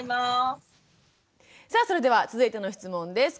さあそれでは続いての質問です。